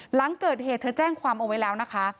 หลังเกิดเหตุเธอแจ้งความเอาไว้แล้วนะคะ